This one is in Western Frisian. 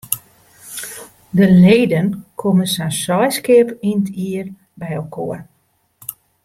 De leden komme sa'n seis kear yn it jier byinoar.